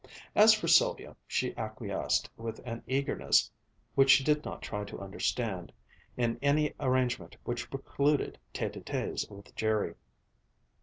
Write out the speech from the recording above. As for Sylvia, she acquiesced, with an eagerness which she did not try to understand, in any arrangement which precluded tête à têtes with Jerry.